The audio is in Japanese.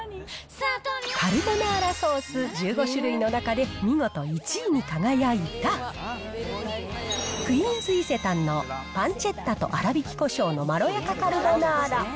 カルボナーラソース１５種類の中で、見事１位に輝いたクイーンズ伊勢丹のパンチェッタと粗挽きこしょうのまろやかカルボナーラ。